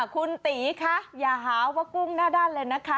คุณตีคะอย่าหาว่ากุ้งหน้าด้านเลยนะคะ